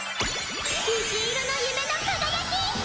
虹色の夢の輝き！